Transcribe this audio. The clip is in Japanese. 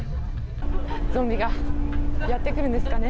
ゾンビがやって来るんですかね。